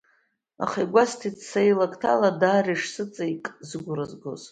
Аха игәасҭеит са илакҭала, даара ишсыҵаик зыгәра згоз…